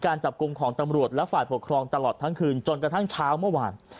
การจับกลุ่มของตำรวจและฝ่ายปกครองตลอดทั้งคืนจนกระทั่งเช้าเมื่อวาน